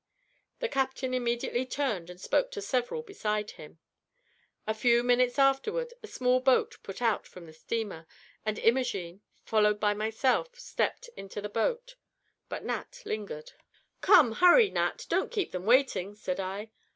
The captain immediately turned and spoke to several beside him. A few minutes afterward a small boat put out from the steamer, and Imogene, followed by myself, stepped into the boat, but Nat lingered. [Illustration: "Hilloa, you!"] "Come, hurry, Nat, don't keep them waiting," said I.